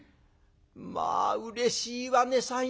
「まあうれしいわね西念さん。